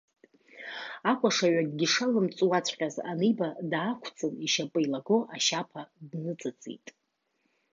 Акәашаҩ, акгьы шалымҵуаҵәҟьаз аниба, даақәҵын, ишьапы еилаго ашьаԥа дныҵыҵит.